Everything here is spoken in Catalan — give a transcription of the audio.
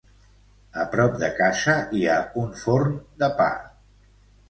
A prop de casa hi ha un forn de pa.